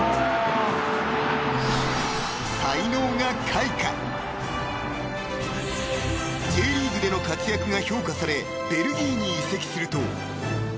［しかし］［Ｊリーグでの活躍が評価されベルギーに移籍すると］